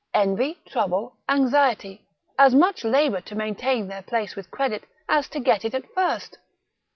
Envy, trouble, anxiety, as much labour to maintain their place with credit, as to get it at first.